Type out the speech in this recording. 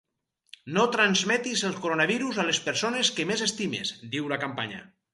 No transmetis el coronavirus a les persones que més estimes, diu la campanya.